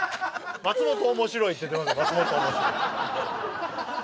「松本面白い」って出ました